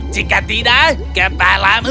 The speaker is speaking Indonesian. jika tidak kau akan berada di dalam istana emas